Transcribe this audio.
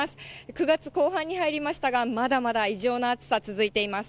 ９月後半に入りましたが、まだまだ異常な暑さ続いています。